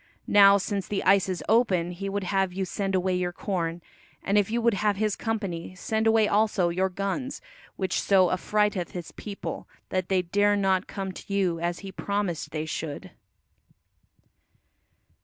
Now since the ice is open, he would have you send away your corn, and if you would have his company, send away also your guns, which so affrighteth his people that they dare not come to you as he promised they should."